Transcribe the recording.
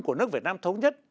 của nước việt nam thống nhất